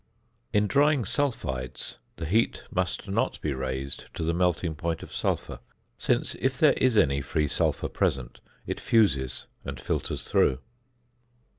In drying sulphides the heat must not be raised to the melting point of sulphur, since, if there is any free sulphur present, it fuses and filters through.